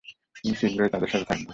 তুমি শীঘ্রই তাদের সাথে থাকবে।